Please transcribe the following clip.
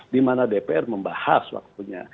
dimana dpr membahas waktunya